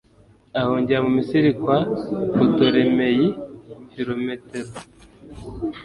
ahungira mu misiri kwa putolemeyi filometori